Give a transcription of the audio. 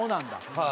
はい。